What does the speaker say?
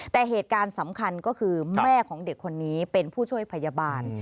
แต่เหตุการณ์สำคัญก็คือแม่ของเด็กคนนี้เป็นผู้ช่วยพยาบาล